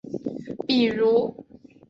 比如